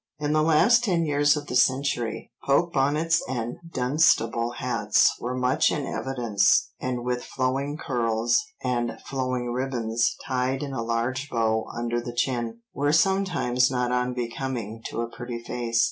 In the last ten years of the century, poke bonnets and Dunstable hats were much in evidence, and with flowing curls, and flowing ribbons tied in a large bow under the chin, were sometimes not unbecoming to a pretty face.